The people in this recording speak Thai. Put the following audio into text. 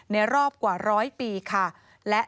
ในรอบกว่า๑๐๐ปีค่ะ